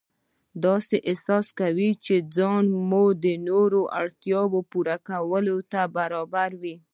داسې احساس کوئ چې ځان مو د نورو اړتیاوو پوره کولو ته برابروئ.